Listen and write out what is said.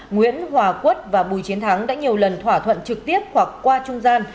nguyễn hòa quất và bùi chiến thắng đã nhiều lần thỏa thuận trực tiếp hoặc qua trung gian